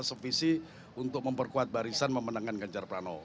sevisi untuk memperkuat barisan memenangkan ganjar pranowo